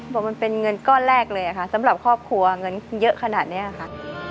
บอกมันเป็นเงินก้อนแรกเลยค่ะสำหรับครอบครัวเงินเยอะขนาดนี้ค่ะ